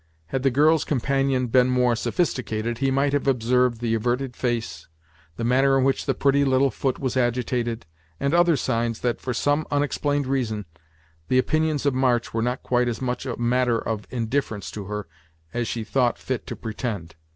Had the girl's companion been more sophisticated, he might have observed the averted face, the manner in which the pretty little foot was agitated, and other signs that, for some unexplained reason, the opinions of March were not quite as much a matter of indifference to her as she thought fit to pretend.